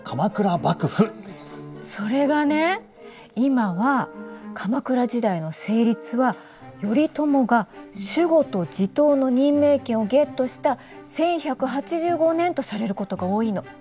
それがね、今は鎌倉時代の成立は、頼朝が守護と地頭の任命権をゲットした１１８５年とされることが多いの。